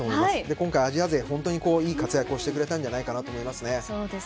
今回、アジア勢本当にいい活躍をしてくれたんじゃないかなと思いますね。